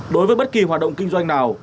đối với bất kỳ hoạt động kinh doanh nào